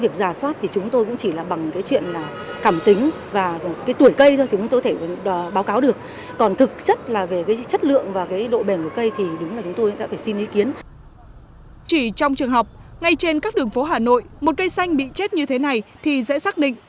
chỉ trong trường học ngay trên các đường phố hà nội một cây xanh bị chết như thế này thì dễ xác định